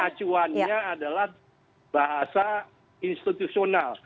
jadi kita tentunya acuannya adalah bahasa institusional